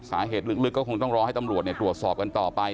สาเหตุลึกก็คงต้องรอให้ตำรวจตรวจสอบกันต่อไป